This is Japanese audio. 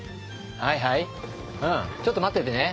はいはいちょっと待っててね。